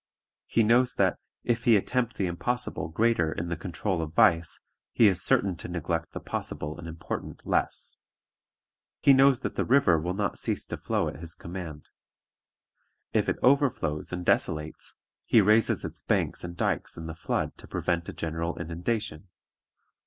He knows that, if he attempt the impossible greater in the control of vice, he is certain to neglect the possible and important less. He knows that the river will not cease to flow at his command. If it overflows and desolates, he raises its banks and dikes in the flood to prevent a general inundation.